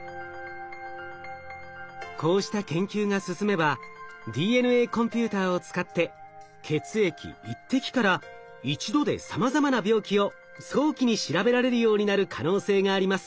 こうした研究が進めばＤＮＡコンピューターを使って血液１滴から一度でさまざまな病気を早期に調べられるようになる可能性があります。